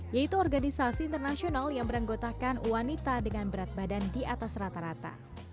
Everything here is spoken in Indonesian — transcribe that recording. yaitu organisasi internasional yang beranggotakan wanita dengan berat badan di atas rata rata